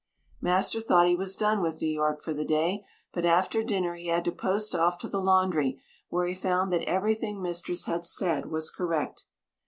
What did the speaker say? Master thought he was done with New York for the day, but after dinner he had to post off to the laundry, where he found that everything mistress had said was correct.